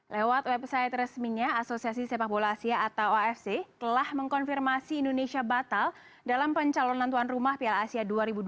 lewat website resminya asosiasi sepak bola asia atau afc telah mengkonfirmasi indonesia batal dalam pencalonan tuan rumah piala asia dua ribu dua puluh